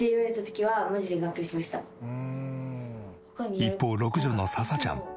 一方六女のささちゃん。